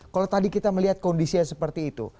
kalau tadi kita melihat kondisi yang seperti itu